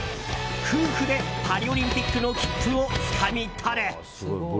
夫婦でパリオリンピックの切符をつかみ取る！